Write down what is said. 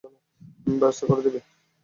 ব্যবস্থা করে দেবে?